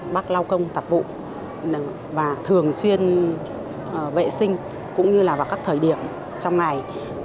bác lau công tạp vụ và thường xuyên vệ sinh cũng như là vào các thời điểm trong ngày